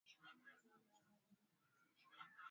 ongeza maji ya hamira uliyochachusha